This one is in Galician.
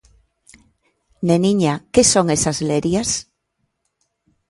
Neniña, que son esas lerias?